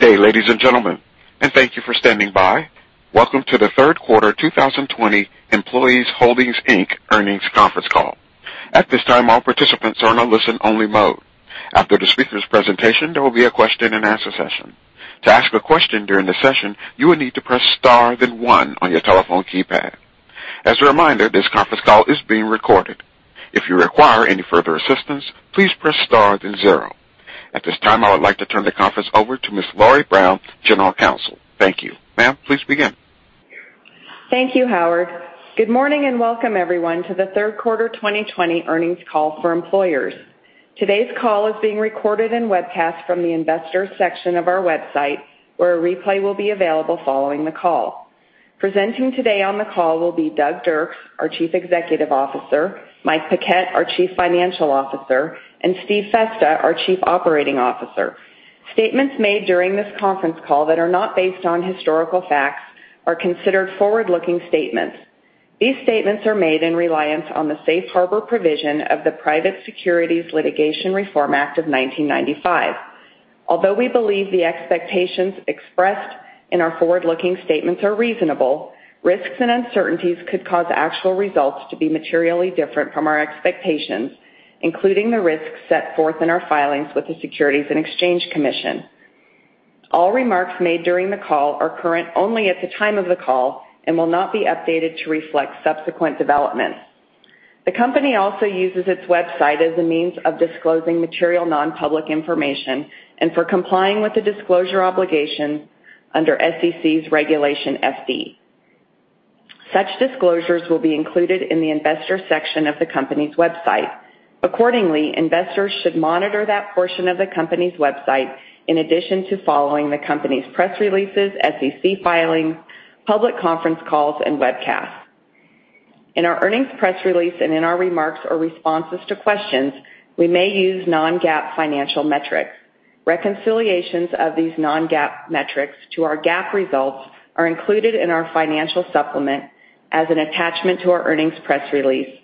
Good day, ladies and gentlemen, and thank you for standing by. Welcome to the third quarter 2020 Employers Holdings, Inc. earnings conference call. At this time, all participants are in a listen-only mode. After the speakers' presentation, there will be a question and answer session. To ask a question during the session, you will need to press star then one on your telephone keypad. As a reminder, this conference call is being recorded. If you require any further assistance, please press star then zero. At this time, I would like to turn the conference over to Ms. Lori Brown, General Counsel. Thank you. Ma'am, please begin. Thank you, Howard. Good morning and welcome everyone to the third quarter 2020 earnings call for Employers. Today's call is being recorded and webcast from the Investors section of our website, where a replay will be available following the call. Presenting today on the call will be Doug Dirks, our Chief Executive Officer, Mike Paquette, our Chief Financial Officer, and Steve Festa, our Chief Operating Officer. Statements made during this conference call that are not based on historical facts are considered forward-looking statements. These statements are made in reliance on the Safe Harbor provision of the Private Securities Litigation Reform Act of 1995. Although we believe the expectations expressed in our forward-looking statements are reasonable, risks and uncertainties could cause actual results to be materially different from our expectations, including the risks set forth in our filings with the Securities and Exchange Commission. All remarks made during the call are current only at the time of the call and will not be updated to reflect subsequent developments. The company also uses its website as a means of disclosing material non-public information and for complying with the disclosure obligations under SEC's Regulation FD. Such disclosures will be included in the Investors section of the company's website. Accordingly, investors should monitor that portion of the company's website in addition to following the company's press releases, SEC filings, public conference calls, and webcasts. In our earnings press release and in our remarks or responses to questions, we may use non-GAAP financial metrics. Reconciliations of these non-GAAP metrics to our GAAP results are included in our financial supplement as an attachment to our earnings press release,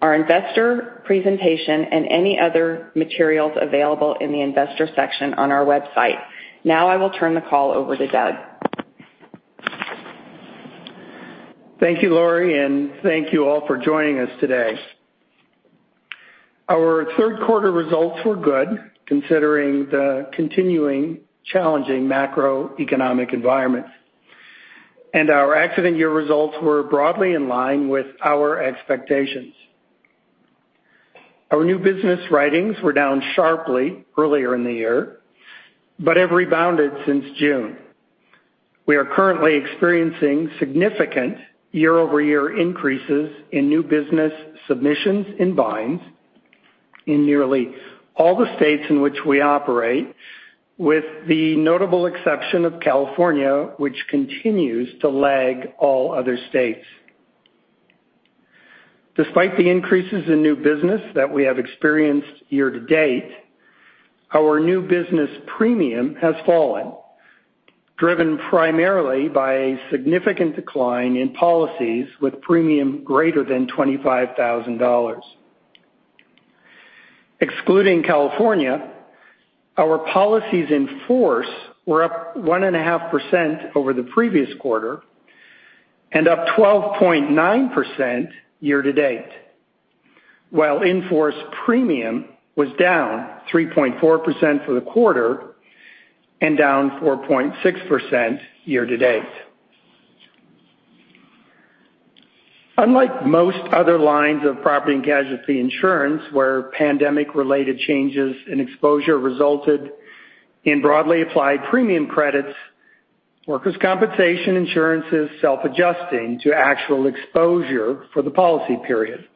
our investor presentation, and any other materials available in the Investor section on our website. Now I will turn the call over to Doug. Thank you, Lori, and thank you all for joining us today. Our third quarter results were good, considering the continuing challenging macroeconomic environment. Our accident year results were broadly in line with our expectations. Our new business writings were down sharply earlier in the year, but have rebounded since June. We are currently experiencing significant year-over-year increases in new business submissions and binds in nearly all the states in which we operate, with the notable exception of California, which continues to lag all other states. Despite the increases in new business that we have experienced year-to-date, our new business premium has fallen, driven primarily by a significant decline in policies with premium greater than $25,000. Excluding California, our policies in force were up 1.5% over the previous quarter and up 12.9% year-to-date. While in-force premium was down 3.4% for the quarter and down 4.6% year-to-date. Unlike most other lines of property and casualty insurance, where pandemic-related changes in exposure resulted in broadly applied premium credits, workers' compensation insurance is self-adjusting to actual exposure for the policy period,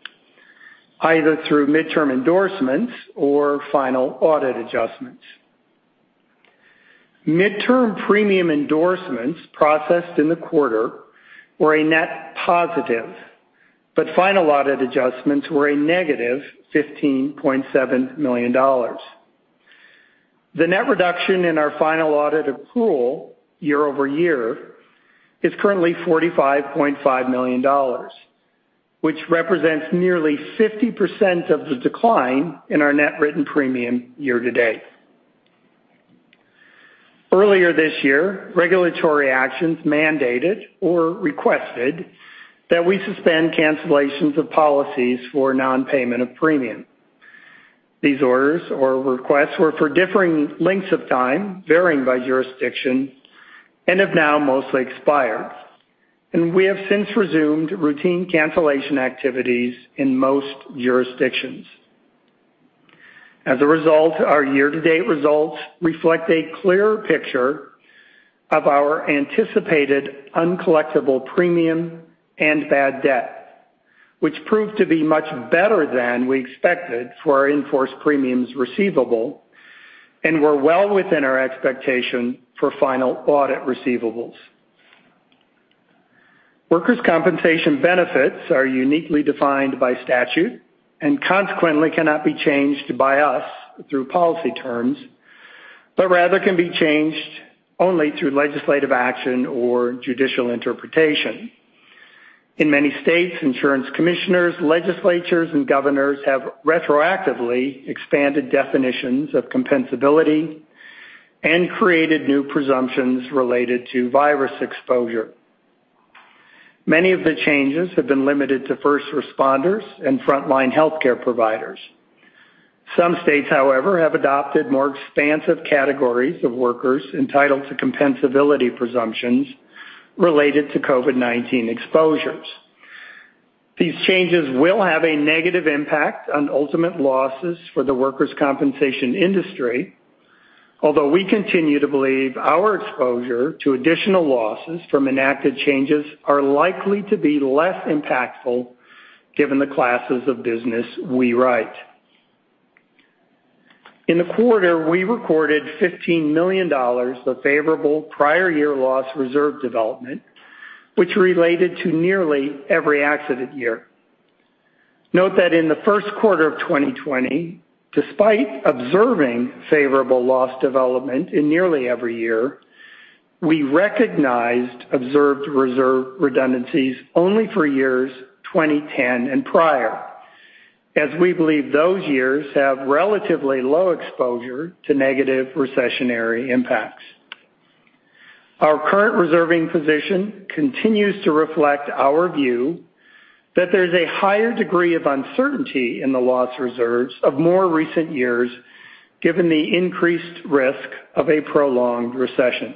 either through midterm endorsements or final audit adjustments. Midterm premium endorsements processed in the quarter were a net positive, but final audit adjustments were a negative $15.7 million. The net reduction in our final audit accrual year-over-year is currently $45.5 million, which represents nearly 50% of the decline in our net written premium year-to-date. Earlier this year, regulatory actions mandated or requested that we suspend cancellations of policies for non-payment of premium. These orders or requests were for differing lengths of time, varying by jurisdiction, and have now mostly expired, and we have since resumed routine cancellation activities in most jurisdictions. As a result, our year-to-date results reflect a clear picture of our anticipated uncollectible premium and bad debt, which proved to be much better than we expected for our in-force premiums receivable and were well within our expectation for final audit receivables. Workers' compensation benefits are uniquely defined by statute and consequently cannot be changed by us through policy terms, but rather can be changed only through legislative action or judicial interpretation. In many states, insurance commissioners, legislatures, and governors have retroactively expanded definitions of compensability and created new presumptions related to virus exposure. Many of the changes have been limited to first responders and frontline healthcare providers. Some states, however, have adopted more expansive categories of workers entitled to compensability presumptions related to COVID-19 exposures. These changes will have a negative impact on ultimate losses for the workers' compensation industry, although we continue to believe our exposure to additional losses from enacted changes are likely to be less impactful given the classes of business we write. In the quarter, we recorded $15 million of favorable prior year loss reserve development, which related to nearly every accident year. Note that in the first quarter of 2020, despite observing favorable loss development in nearly every year, we recognized observed reserve redundancies only for years 2010 and prior, as we believe those years have relatively low exposure to negative recessionary impacts. Our current reserving position continues to reflect our view that there's a higher degree of uncertainty in the loss reserves of more recent years, given the increased risk of a prolonged recession.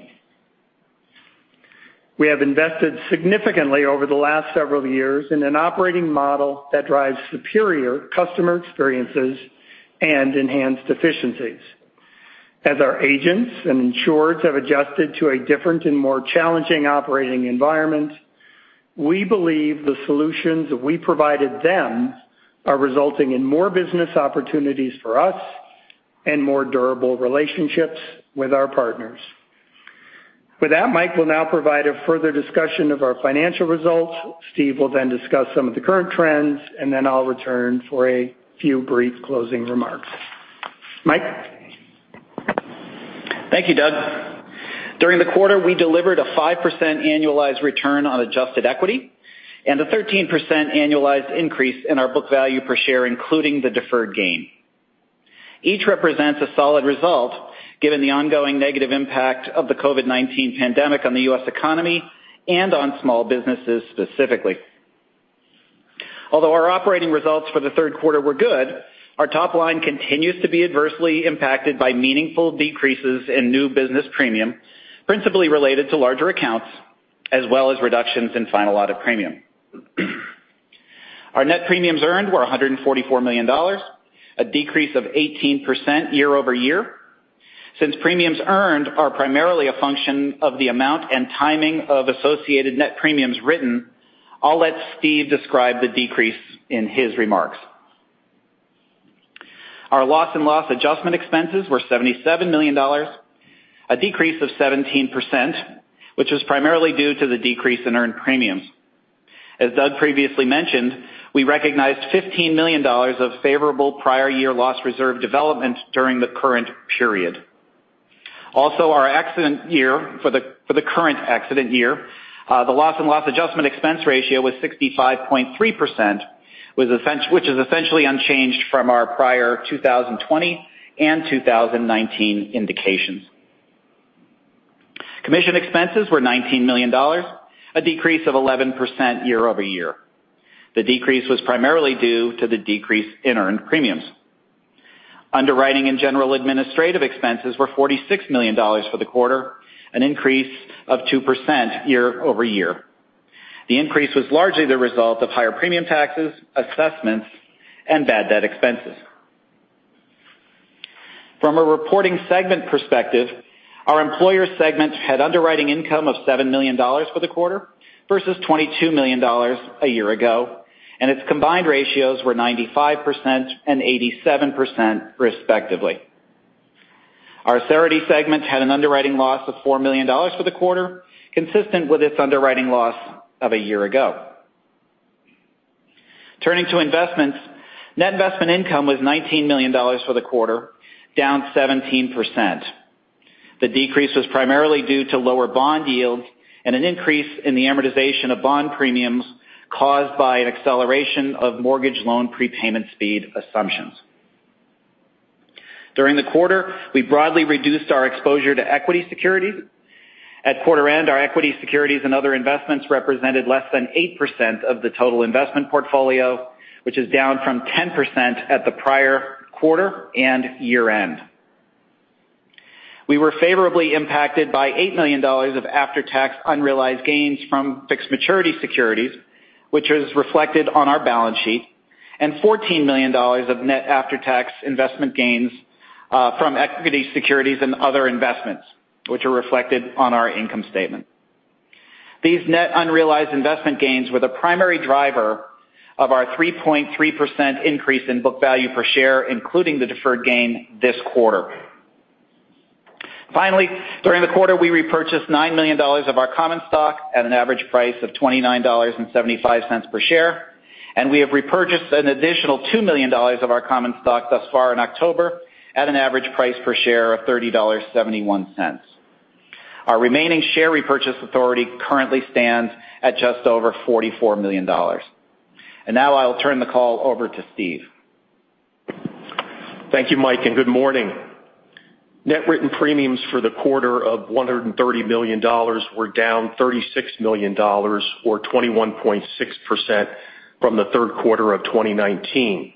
We have invested significantly over the last several years in an operating model that drives superior customer experiences and enhanced efficiencies. As our agents and insureds have adjusted to a different and more challenging operating environment, we believe the solutions we provided them are resulting in more business opportunities for us and more durable relationships with our partners. With that, Mike will now provide a further discussion of our financial results. Steve will discuss some of the current trends. I'll return for a few brief closing remarks. Mike? Thank you, Doug. During the quarter, we delivered a 5% annualized return on adjusted equity and a 13% annualized increase in our book value per share, including the deferred gain. Each represents a solid result given the ongoing negative impact of the COVID-19 pandemic on the U.S. economy and on small businesses specifically. Although our operating results for the third quarter were good, our top line continues to be adversely impacted by meaningful decreases in new business premium, principally related to larger accounts, as well as reductions in final audit premium. Our net premiums earned were $144 million, a decrease of 18% year-over-year. Since premiums earned are primarily a function of the amount and timing of associated net premiums written, I'll let Steve describe the decrease in his remarks. Our loss and loss adjustment expenses were $77 million, a decrease of 17%, which was primarily due to the decrease in earned premiums. As Doug previously mentioned, we recognized $15 million of favorable prior year loss reserve development during the current period. Also, for the current accident year, the loss and loss adjustment expense ratio was 65.3%, which is essentially unchanged from our prior 2020 and 2019 indications. Commission expenses were $19 million, a decrease of 11% year-over-year. The decrease was primarily due to the decrease in earned premiums. Underwriting and general administrative expenses were $46 million for the quarter, an increase of 2% year-over-year. The increase was largely the result of higher premium taxes, assessments, and bad debt expenses. From a reporting segment perspective, our employer segment had underwriting income of $7 million for the quarter versus $22 million a year ago, and its combined ratio were 95% and 87% respectively. Our authority segment had an underwriting loss of $4 million for the quarter, consistent with its underwriting loss of a year ago. Turning to investments, net investment income was $19 million for the quarter, down 17%. The decrease was primarily due to lower bond yields and an increase in the amortization of bond premiums caused by an acceleration of mortgage loan prepayment speed assumptions. During the quarter, we broadly reduced our exposure to equity securities. At quarter end, our equity securities and other investments represented less than 8% of the total investment portfolio, which is down from 10% at the prior quarter and year-end. We were favorably impacted by $8 million of after-tax unrealized gains from fixed maturity securities, which was reflected on our balance sheet, and $14 million of net after-tax investment gains from equity securities and other investments, which are reflected on our income statement. These net unrealized investment gains were the primary driver of our 3.3% increase in book value per share, including the deferred gain this quarter. Finally, during the quarter, we repurchased $9 million of our common stock at an average price of $29.75 per share, and we have repurchased an additional $2 million of our common stock thus far in October at an average price per share of $30.71. Our remaining share repurchase authority currently stands at just over $44 million. Now I'll turn the call over to Steve. Thank you, Mike, and good morning. Net written premiums for the quarter of $130 million were down $36 million, or 21.6% from the third quarter of 2019.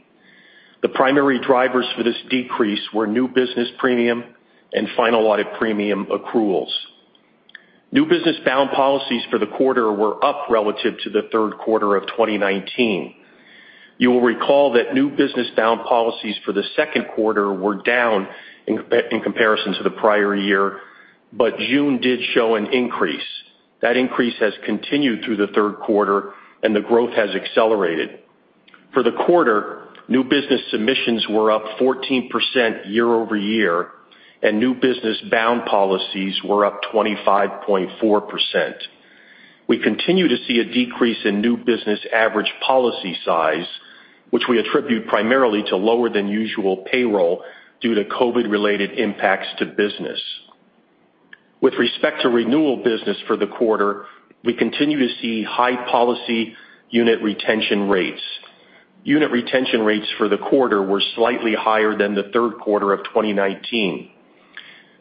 The primary drivers for this decrease were new business premium and final audit premium accruals. New business bound policies for the quarter were up relative to the third quarter of 2019. You will recall that new business bound policies for the second quarter were down in comparison to the prior year, but June did show an increase. That increase has continued through the third quarter and the growth has accelerated. For the quarter, new business submissions were up 14% year-over-year, and new business bound policies were up 25.4%. We continue to see a decrease in new business average policy size, which we attribute primarily to lower than usual payroll due to COVID related impacts to business. With respect to renewal business for the quarter, we continue to see high policy unit retention rates. Unit retention rates for the quarter were slightly higher than the third quarter of 2019.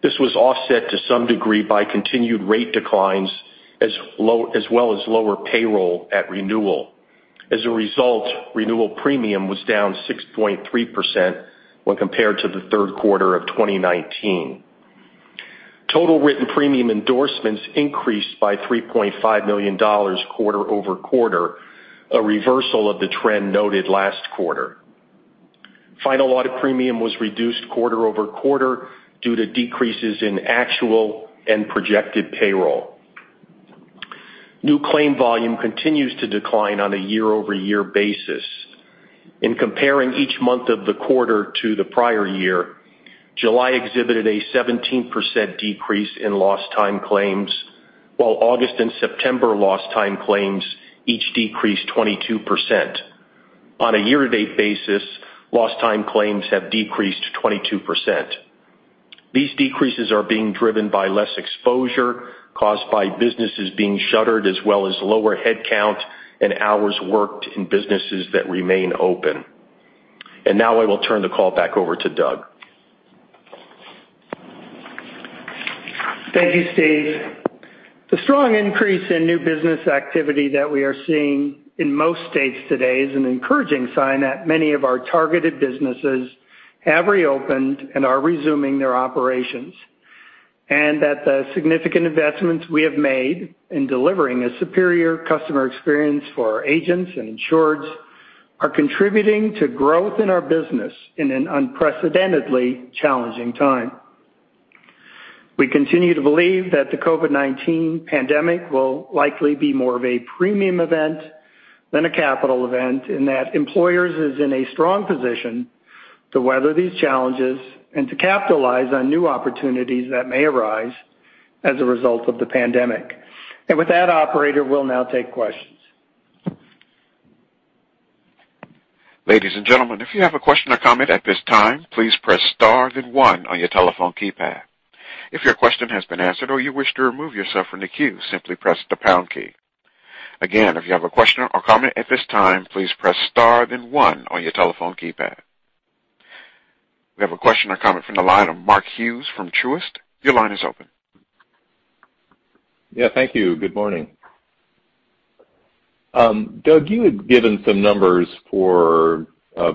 This was offset to some degree by continued rate declines, as well as lower payroll at renewal. As a result, renewal premium was down 6.3% when compared to the third quarter of 2019. Total written premium endorsements increased by $3.5 million quarter-over-quarter, a reversal of the trend noted last quarter. Final audit premium was reduced quarter-over-quarter due to decreases in actual and projected payroll. New claim volume continues to decline on a year-over-year basis. In comparing each month of the quarter to the prior year, July exhibited a 17% decrease in lost time claims, while August and September lost time claims each decreased 22%. On a year-to-date basis, lost time claims have decreased 22%. These decreases are being driven by less exposure caused by businesses being shuttered, as well as lower headcount and hours worked in businesses that remain open. Now I will turn the call back over to Doug. Thank you, Steve. The strong increase in new business activity that we are seeing in most states today is an encouraging sign that many of our targeted businesses have reopened and are resuming their operations, and that the significant investments we have made in delivering a superior customer experience for our agents and insureds are contributing to growth in our business in an unprecedentedly challenging time. We continue to believe that the COVID-19 pandemic will likely be more of a premium event than a capital event, and that Employers is in a strong position to weather these challenges and to capitalize on new opportunities that may arise as a result of the pandemic. With that operator, we'll now take questions. Ladies and gentlemen, if you have a question or comment at this time, please press star then one on your telephone keypad. If your question has been answered or you wish to remove yourself from the queue, simply press the pound key. Again, if you have a question or comment at this time, please press star then one on your telephone keypad. We have a question or comment from the line of Mark Hughes from Truist. Your line is open. Yeah, thank you. Good morning. Doug, you had given some numbers for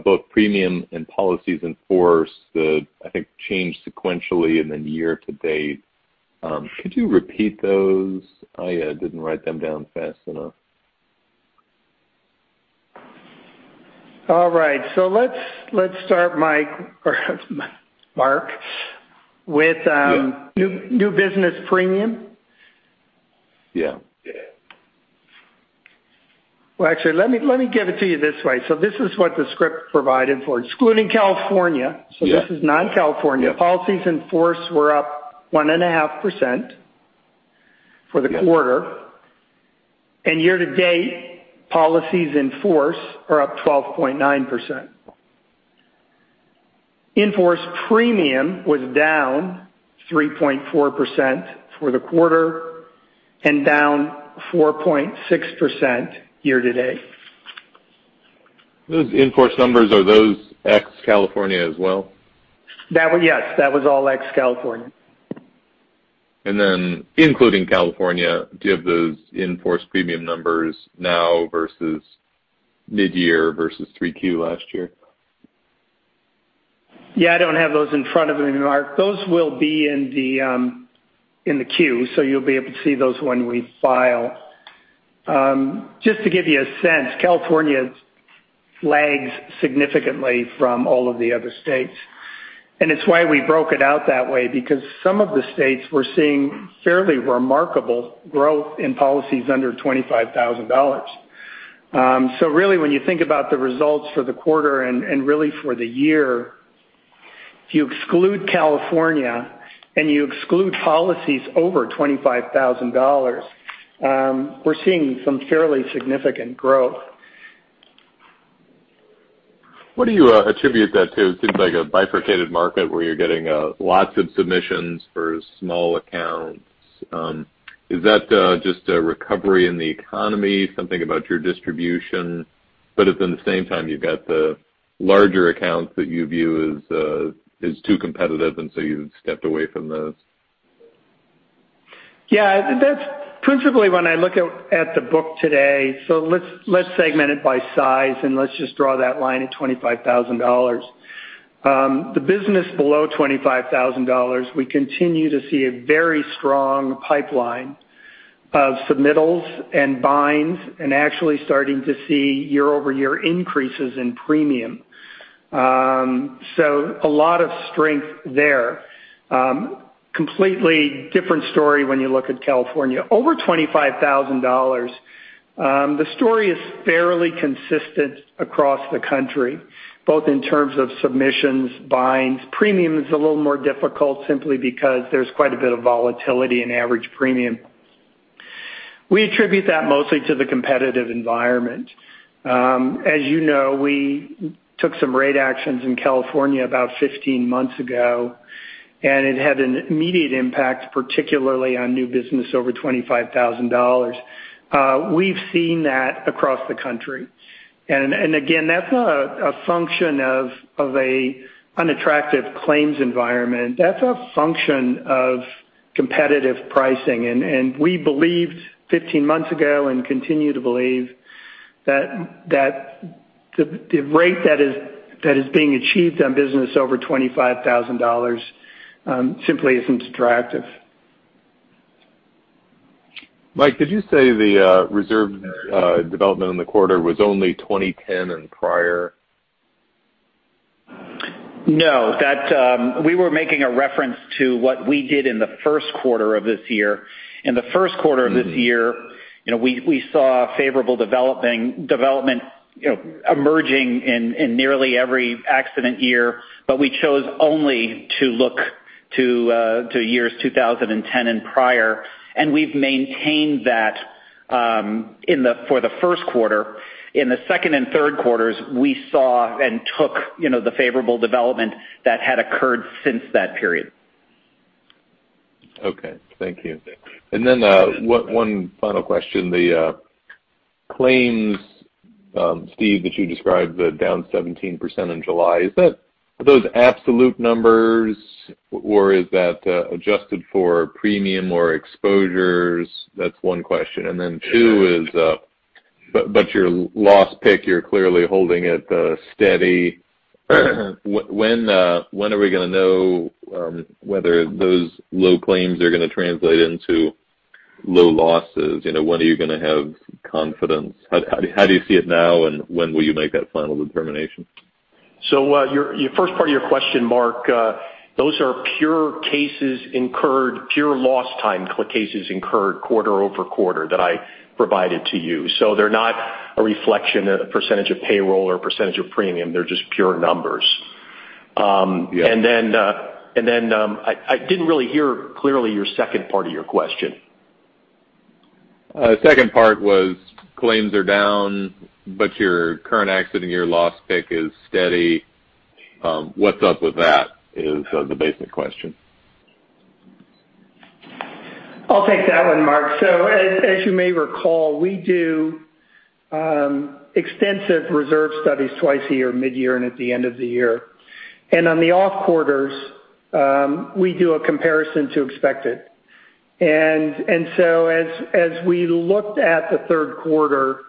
both premium and policies in force that I think changed sequentially and then year-to-date. Could you repeat those? I didn't write them down fast enough. All right. Let's start, Mark, with new business premium. Yeah. Well, actually, let me give it to you this way. This is what the script provided for excluding California. Yeah. This is non-California. Yeah. Policies in force were up 1.5% for the quarter. Year to date, policies in force are up 12.9%. In force premium was down 3.4% for the quarter and down 4.6% year to date. Those in force numbers, are those ex-California as well? Yes, that was all ex-California. Including California, do you have those in-force premium numbers now versus mid-year versus Q3 last year? Yeah, I don't have those in front of me, Mark. Those will be in the Q, so you'll be able to see those when we file. Just to give you a sense, California lags significantly from all of the other states, and it's why we broke it out that way, because some of the states we're seeing fairly remarkable growth in policies under $25,000. Really, when you think about the results for the quarter and really for the year, if you exclude California and you exclude policies over $25,000, we're seeing some fairly significant growth. What do you attribute that to? It seems like a bifurcated market where you're getting lots of submissions for small accounts. Is that just a recovery in the economy, something about your distribution? If in the same time you've got the larger accounts that you view as too competitive, you've stepped away from those. That's principally when I look at the book today. Let's segment it by size, let's just draw that line at $25,000. The business below $25,000, we continue to see a very strong pipeline of submittals and binds, actually starting to see year-over-year increases in premium. A lot of strength there. Completely different story when you look at California. Over $25,000, the story is fairly consistent across the country, both in terms of submissions, binds. Premium is a little more difficult simply because there's quite a bit of volatility in average premium. We attribute that mostly to the competitive environment. As you know, we took some rate actions in California about 15 months ago, it had an immediate impact, particularly on new business over $25,000. We've seen that across the country. Again, that's not a function of an unattractive claims environment. That's a function of competitive pricing. We believed 15 months ago, and continue to believe, that the rate that is being achieved on business over $25,000, simply isn't attractive. Mike, did you say the reserve development in the quarter was only 2010 and prior? No. We were making a reference to what we did in the first quarter of this year. In the first quarter of this year, we saw favorable development emerging in nearly every accident year, but we chose only to look to years 2010 and prior, and we've maintained that for the first quarter. In the second and third quarters, we saw and took the favorable development that had occurred since that period. Okay. Thank you. One final question. The claims, Steve, that you described down 17% in July, are those absolute numbers or is that adjusted for premium or exposures? That's one question. Two is, but your loss pick, you're clearly holding it steady. When are we going to know whether those low claims are going to translate into low losses? When are you going to have confidence? How do you see it now, and when will you make that final determination? Your first part of your question, Mark, those are pure cases incurred, pure loss time cases incurred quarter-over-quarter that I provided to you. They're not a reflection, a percentage of payroll or a percentage of premium. They're just pure numbers. Yeah. I didn't really hear clearly your second part of your question. Second part was claims are down, but your current accident year loss pick is steady. What's up with that is the basic question? I'll take that one, Mark. As you may recall, we do extensive reserve studies twice a year, mid-year and at the end of the year. On the off quarters, we do a comparison to expected. As we looked at the third quarter,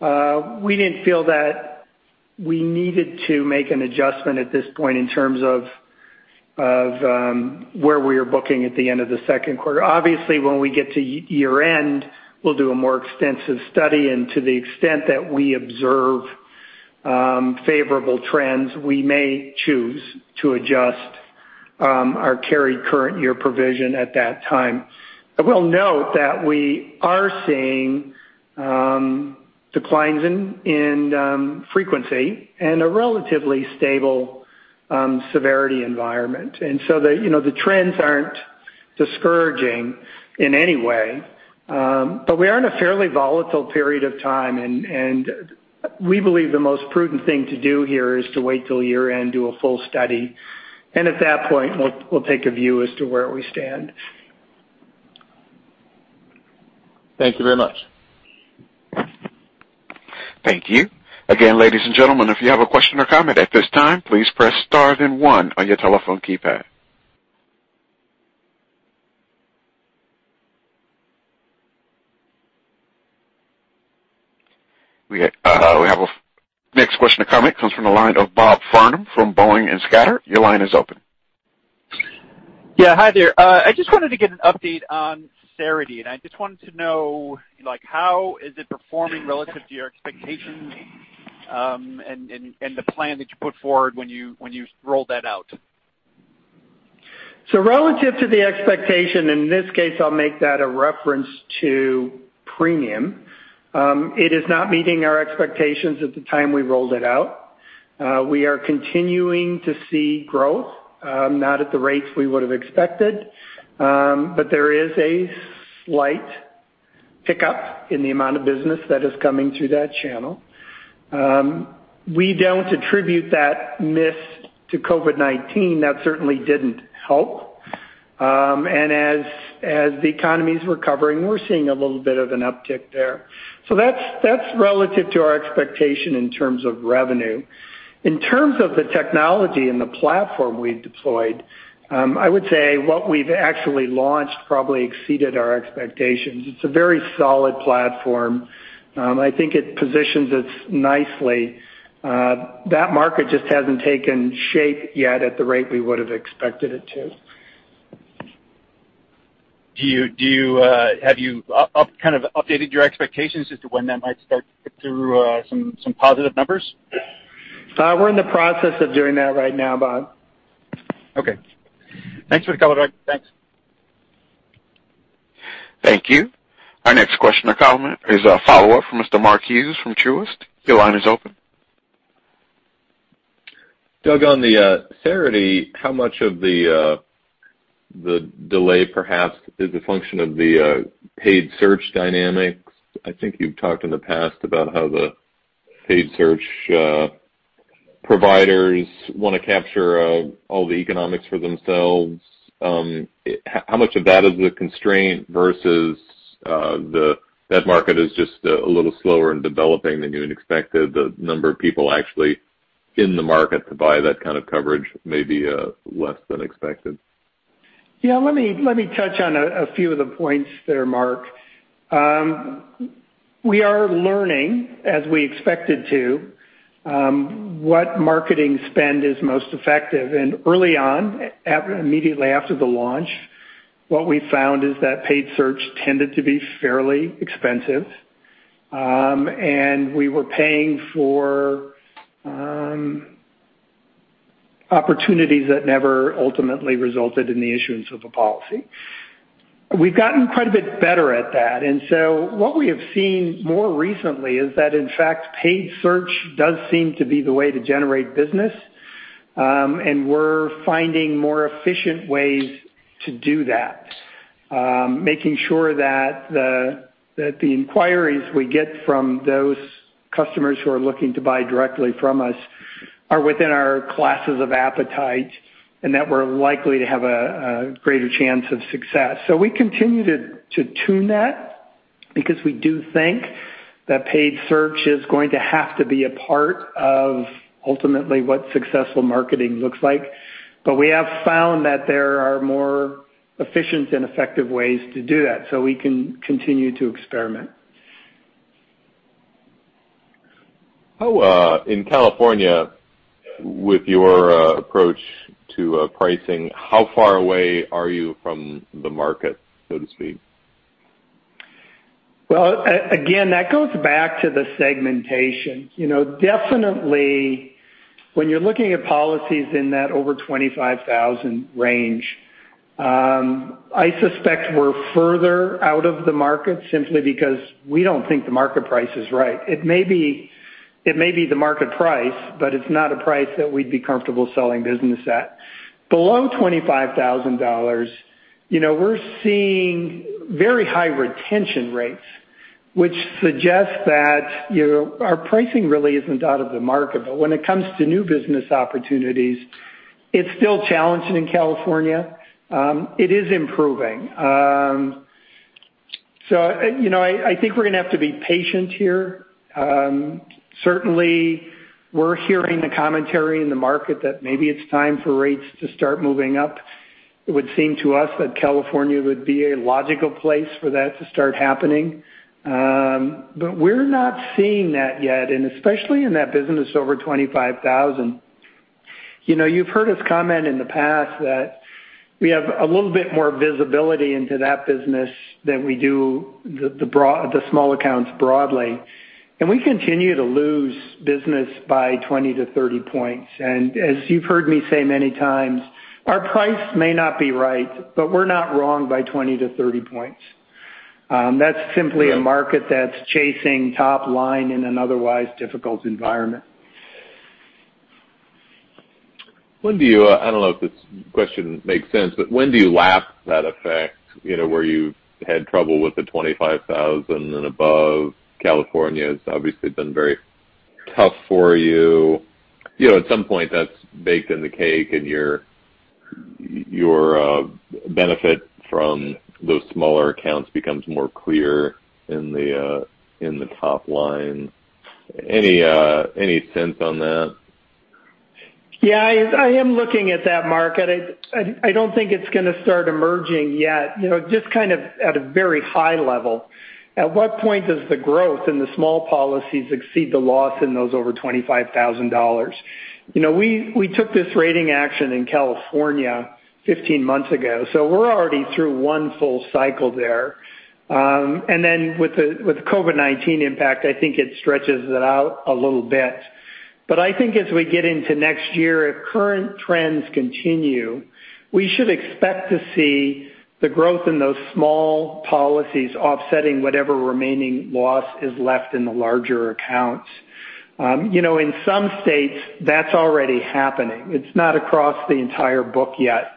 we didn't feel that we needed to make an adjustment at this point in terms of where we are booking at the end of the second quarter. Obviously, when we get to year-end, we'll do a more extensive study, and to the extent that we observe favorable trends, we may choose to adjust our carry current year provision at that time. I will note that we are seeing declines in frequency and a relatively stable severity environment, the trends aren't discouraging in any way. We are in a fairly volatile period of time, and we believe the most prudent thing to do here is to wait till year-end, do a full study, and at that point, we'll take a view as to where we stand. Thank you very much. Thank you. Again, ladies and gentlemen, if you have a question or comment at this time, please press star then one on your telephone keypad. We have our next question or comment, comes from the line of Robert Farnam from Boenning & Scattergood. Your line is open. Yeah. Hi there. I just wanted to get an update on Cerity, and I just wanted to know how is it performing relative to your expectations, and the plan that you put forward when you rolled that out. Relative to the expectation, in this case, I'll make that a reference to premium. It is not meeting our expectations at the time we rolled it out. We are continuing to see growth, not at the rates we would've expected. There is a slight pickup in the amount of business that is coming through that channel. We don't attribute that miss to COVID-19. That certainly didn't help. As the economy's recovering, we're seeing a little bit of an uptick there. That's relative to our expectation in terms of revenue. In terms of the technology and the platform we deployed, I would say what we've actually launched probably exceeded our expectations. It's a very solid platform. I think it positions us nicely. That market just hasn't taken shape yet at the rate we would've expected it to. Have you updated your expectations as to when that might start to put through some positive numbers? We're in the process of doing that right now, Bob. Okay. Thanks for the color. Thanks. Thank you. Our next question or comment is a follow-up from Mr. Mark Hughes from Truist. Your line is open. Doug, on the Cerity, how much of the delay perhaps is a function of the paid search dynamics? I think you've talked in the past about how the paid search providers want to capture all the economics for themselves. How much of that is a constraint versus that market is just a little slower in developing than you had expected, the number of people actually in the market to buy that kind of coverage, maybe less than expected? Yeah, let me touch on a few of the points there, Mark. We are learning, as we expected to, what marketing spend is most effective. Early on, immediately after the launch, what we found is that paid search tended to be fairly expensive. We were paying for opportunities that never ultimately resulted in the issuance of a policy. We've gotten quite a bit better at that. What we have seen more recently is that, in fact, paid search does seem to be the way to generate business. We're finding more efficient ways to do that, making sure that the inquiries we get from those customers who are looking to buy directly from us are within our classes of appetite, and that we're likely to have a greater chance of success. We continue to tune that because we do think that paid search is going to have to be a part of ultimately what successful marketing looks like. We have found that there are more efficient and effective ways to do that, we can continue to experiment. In California, with your approach to pricing, how far away are you from the market, so to speak? Well, again, that goes back to the segmentation. Definitely, when you're looking at policies in that over 25,000 range, I suspect we're further out of the market simply because we don't think the market price is right. It may be the market price, but it's not a price that we'd be comfortable selling business at. Below $25,000, we're seeing very high retention rates, which suggests that our pricing really isn't out of the market. When it comes to new business opportunities, it's still challenging in California. It is improving. I think we're going to have to be patient here. Certainly, we're hearing the commentary in the market that maybe it's time for rates to start moving up. It would seem to us that California would be a logical place for that to start happening. We're not seeing that yet, and especially in that business over 25,000. You've heard us comment in the past that we have a little bit more visibility into that business than we do the small accounts broadly. We continue to lose business by 20-30 points. As you've heard me say many times, our price may not be right, but we're not wrong by 20-30 points. That's simply a market that's chasing top line in an otherwise difficult environment. I don't know if this question makes sense, when do you lap that effect, where you've had trouble with the 25,000 and above? California's obviously been very tough for you. At some point, that's baked in the cake, your benefit from those smaller accounts becomes more clear in the top line. Any sense on that? I am looking at that market. I don't think it's going to start emerging yet. Just at a very high level, at what point does the growth in the small policies exceed the loss in those over 25,000? We took this rating action in California 15 months ago, so we're already through one full cycle there. Then with the COVID-19 impact, I think it stretches it out a little bit. I think as we get into next year, if current trends continue, we should expect to see the growth in those small policies offsetting whatever remaining loss is left in the larger accounts. In some states, that's already happening. It's not across the entire book yet.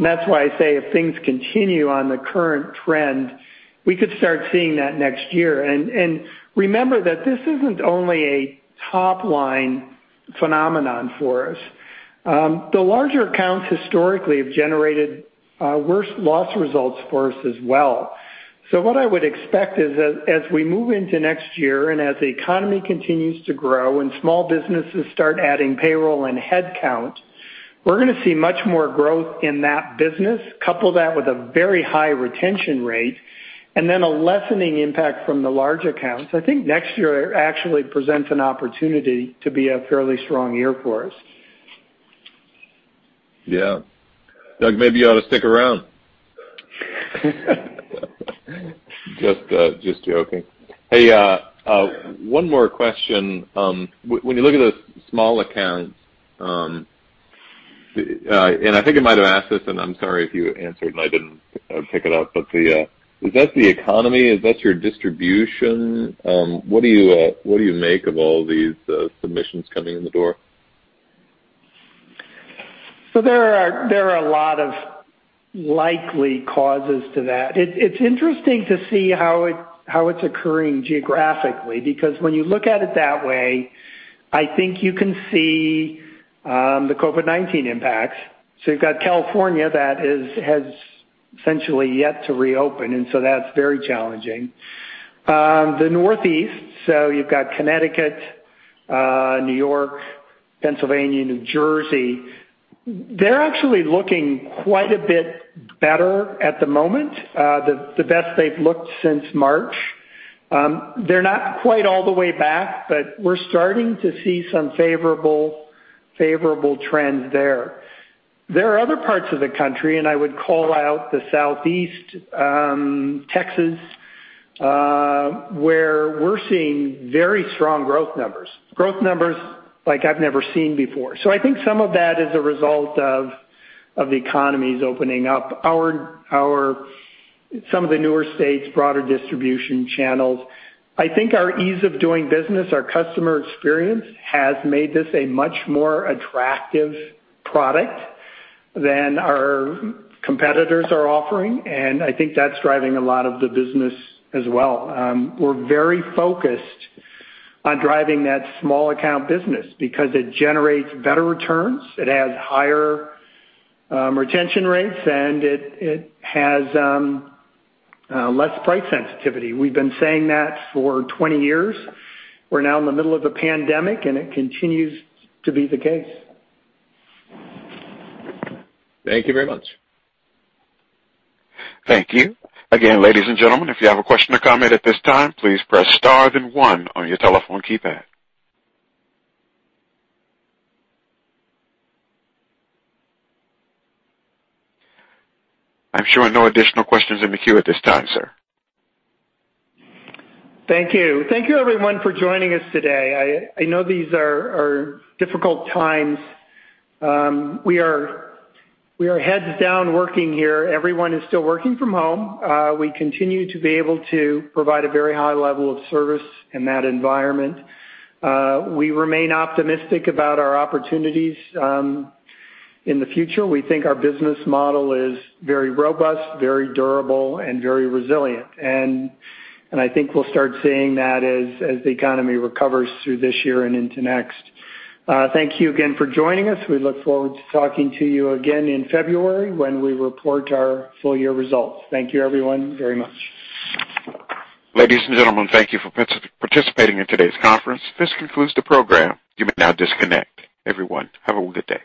That's why I say if things continue on the current trend, we could start seeing that next year. Remember that this isn't only a top-line phenomenon for us. The larger accounts historically have generated worse loss results for us as well. What I would expect is, as we move into next year, as the economy continues to grow and small businesses start adding payroll and headcount, we're going to see much more growth in that business. Couple that with a very high retention rate then a lessening impact from the large accounts. I think next year actually presents an opportunity to be a fairly strong year for us. Yeah. Doug, maybe you ought to stick around. Just joking. Hey, one more question. When you look at the small accounts, and I think I might have asked this, and I'm sorry if you answered and I didn't pick it up, but is that the economy? Is that your distribution? What do you make of all these submissions coming in the door? There are a lot of likely causes to that. It's interesting to see how it's occurring geographically, because when you look at it that way, I think you can see the COVID-19 impacts. You've got California that has essentially yet to reopen, that's very challenging. The Northeast, you've got Connecticut, New York, Pennsylvania, New Jersey. They're actually looking quite a bit better at the moment. The best they've looked since March. They're not quite all the way back, but we're starting to see some favorable trends there. There are other parts of the country, and I would call out the Southeast, Texas, where we're seeing very strong growth numbers. Growth numbers like I've never seen before. I think some of that is a result of the economies opening up. Some of the newer states, broader distribution channels. I think our ease of doing business, our customer experience, has made this a much more attractive product than our competitors are offering, and I think that's driving a lot of the business as well. We're very focused on driving that small account business because it generates better returns, it has higher retention rates, and it has less price sensitivity. We've been saying that for 20 years. We're now in the middle of a pandemic, and it continues to be the case. Thank you very much. Thank you. Again, ladies and gentlemen, if you have a question or comment at this time, please press star then one on your telephone keypad. I'm showing no additional questions in the queue at this time, sir. Thank you. Thank you, everyone, for joining us today. I know these are difficult times. We are heads down working here. Everyone is still working from home. We continue to be able to provide a very high level of service in that environment. We remain optimistic about our opportunities in the future. We think our business model is very robust, very durable, and very resilient. I think we'll start seeing that as the economy recovers through this year and into next. Thank you again for joining us. We look forward to talking to you again in February when we report our full-year results. Thank you, everyone, very much. Ladies and gentlemen, thank you for participating in today's conference. This concludes the program. You may now disconnect. Everyone, have a good day.